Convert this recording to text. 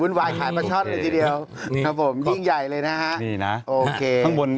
วุ่นวายขายประชาติเลยทีเดียวครับผมยิ่งใหญ่เลยนะครับ